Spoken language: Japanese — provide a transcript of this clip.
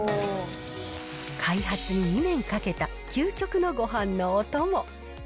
開発に２年かけた、究極のごはんのお供。